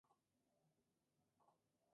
El Tercer Reich fue el de la Alemania nazi.